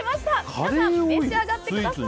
皆さん、召し上がってください。